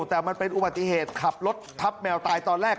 แต่มันเป็นอุบัติเหตุขับรถทับแมวตายตอนแรก